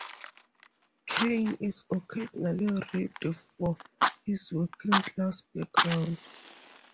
Caine is occasionally ribbed for his working-class background.